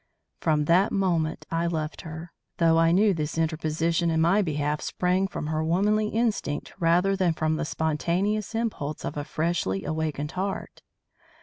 From that moment I loved her, though I knew this interposition in my behalf sprang from her womanly instinct rather than from the spontaneous impulse of a freshly awakened heart.